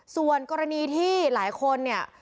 ส่วนกรณีที่หลายคนเนี่ย